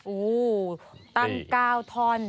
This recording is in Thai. อู้วตังกาวทอน